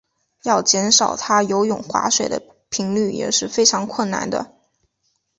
要减少他游泳划水的频率也是非常困难的。